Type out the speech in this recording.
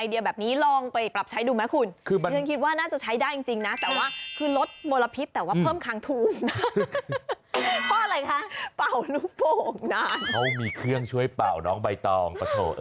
ดักกว่านะใช่ค่ะถูกต้อง